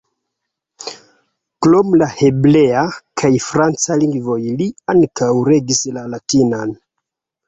Krom la hebrea kaj franca lingvoj li ankaŭ regis la latinan.